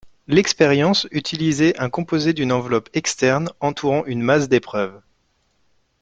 L'expérience utilisait un composé d'une enveloppe externe entourant une masse d'épreuve.